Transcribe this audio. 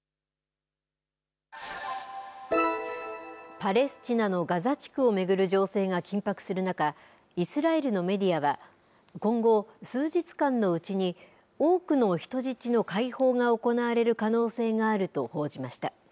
パレスチナのガザ地区を巡る情勢が緊迫する中イスラエルのメディアは今後数日間のうちに多くの人質の解放が行われる可能性があると報じました。